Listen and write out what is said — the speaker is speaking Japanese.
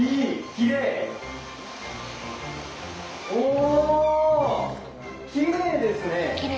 きれいですね。